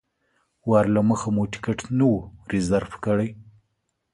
وار له مخه مو ټکټ نه و ریزرف کړی.